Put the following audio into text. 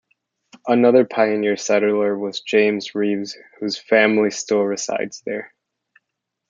Another pioneer settler was James Reaves, whose family still resides there.